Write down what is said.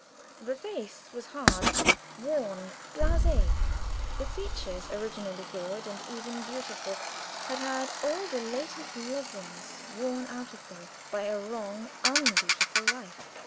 The face was hard, worn, blasé; the features, originally good, and even beautiful, had had all the latent loveliness worn out of them by a wrong, unbeautiful life.